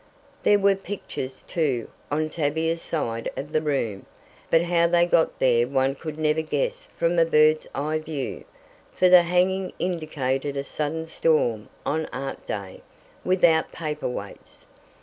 There were pictures, too, on Tavia's side of the room, but how they got there one could never guess from a birds eye view for the hanging indicated a sudden storm on "art day," without paper weights.